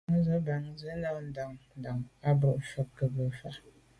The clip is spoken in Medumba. Nyòóŋ bə̀ntcìn bə́ á ndàá ndàŋ ká bù fâ’ o bù gə́ fà’.